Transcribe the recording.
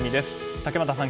竹俣さん